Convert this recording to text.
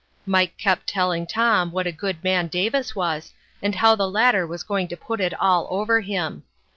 Mike kept telling Tom what a good man Davis was and how the latter was going to put it all over him.